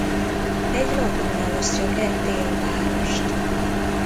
Egy lagúna osztja ketté a várost.